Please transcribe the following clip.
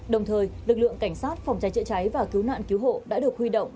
đồng thời lực lượng cảnh sát phòng cháy chữa cháy và cứu nạn cứu hộ đã được huy động